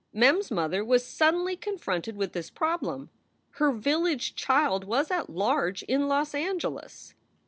Mem s mother was suddenly confronted with this problem. Her village child was at large in Los Angeles